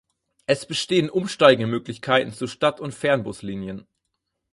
Es bestehen Umsteigemöglichkeiten zu Stadt- und Fernbuslinien.